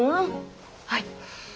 はい。